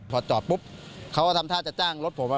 พอจอดปุ๊บเขาก็ทำท่าจะจ้างรถผม